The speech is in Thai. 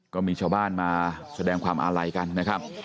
ก็มีชาวบ้านมาแสดงความอาลัยกันนะครับ